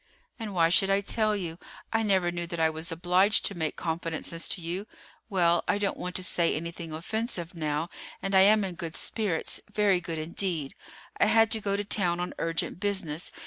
"And why should I tell you? I never knew that I was obliged to make confidences to you. Well, I don't want to say anything offensive now; and I am in good spirits, very good indeed. I had to go to town on urgent business.